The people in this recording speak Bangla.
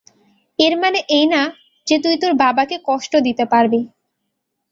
এর মানে এই না যে, তুই তোর বাবাকে কষ্ট দিতে পারবি।